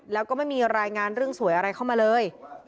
แล้วก็ไม่มีรายงานเรื่องสวยอะไรเข้ามาเลย